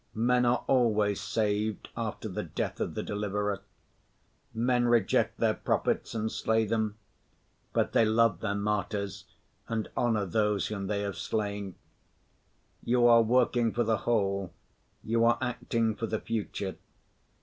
Men are always saved after the death of the deliverer. Men reject their prophets and slay them, but they love their martyrs and honor those whom they have slain. You are working for the whole, you are acting for the future.